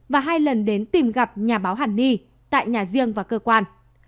và hai lần đến tìm gặp nhà báo hàn ni tại nhà riêng và cơ quan